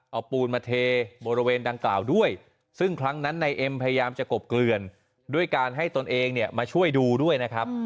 เอาปูนมาเทบริเวณดังกล่าวด้วยซึ่งครั้งนั้นนายเอ็มพยายามจะกบเกลื่อนด้วยการให้ตนเองเนี่ยมาช่วยดูด้วยนะครับ